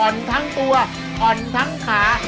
ทั้งตัวอ่อนทั้งขา